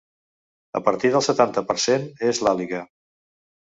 A partir del setanta per cent és l’àliga.